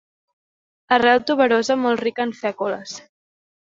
Arrel tuberosa molt rica en fècules.